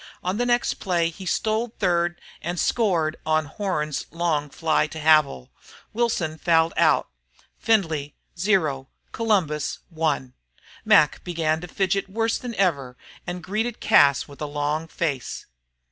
On the next play he stole third and scored on Horn's long fly to Havil. Wilson fouled out. Findlay 0, Columbus 1. Mac began to fidget worse than ever and greeted Cas with a long face.